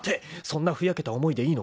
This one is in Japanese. そんなふやけた思いでいいのか？］